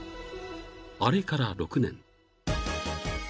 ［あれから６年］